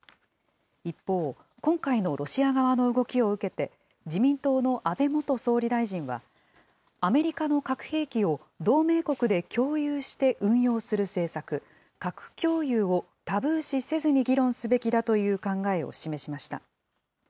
一方、今回のロシア側の動きを受けて、自民党の安倍元総理大臣は、アメリカの核兵器を同盟国で共有して運用する政策、核共有をタブー視せずに議論すべきだという考えを示しました。